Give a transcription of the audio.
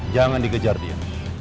jangan dikejar dia